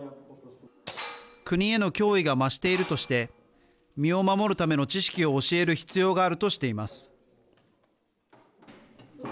国への脅威が増しているとして身を守るための知識を教える必要があるとしています。